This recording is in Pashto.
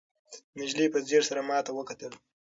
نجلۍ په ځیر سره ماته وکتل.